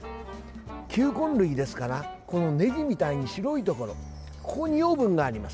球根類ですからこのねぎみたいに白いところここに養分があります。